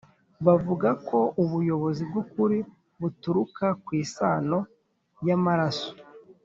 bavuga ko ubuyobozi bw’ukuri buturuka ku isano y’amaraso